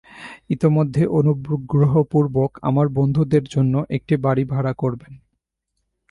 ইতোমধ্যে অনুগ্রহপূর্বক আমার বন্ধুদের জন্য একটি বাড়ী ভাড়া করবেন।